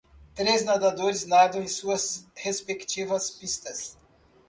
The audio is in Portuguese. Três nadadores nadam em suas respectivas pistas.